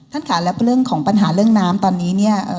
ค่ะแล้วเรื่องของปัญหาเรื่องน้ำตอนนี้เนี่ย